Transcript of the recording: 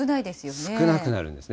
少なくなるんですね。